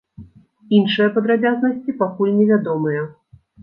Іншыя падрабязнасці пакуль не вядомыя.